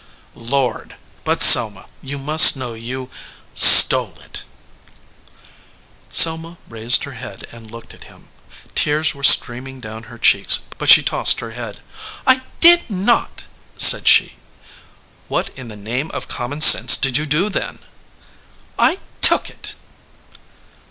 "Lord ! But, Selma, you must know you stole it" Selma raised her head and looked at him. Tears were streaming down her cheeks, but she tossed her head. "I did not," said she. "What in the name of common sense did you do, then?" "I took it."